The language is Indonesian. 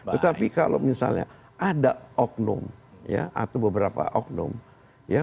tetapi kalau misalnya ada oknum ya atau beberapa oknum ya